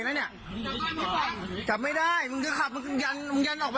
ตลาดอยู่ป่ะที่มึงรกับตัดไหมท็อป